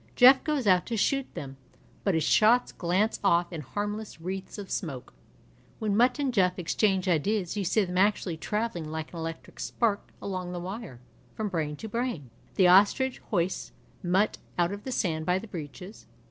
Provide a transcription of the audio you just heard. Jeff goes out to shoot them, but his shots glance off in harmless ^v^eaths of smoke. When Mutt and Jeff exchange ideas you see them actually travelling like an electric spark along the wire, from brain to brain. The ostrich hoists Mutt out of the sand by the breeches.